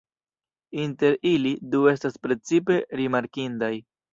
Inter ili, du estas precipe rimarkindaj.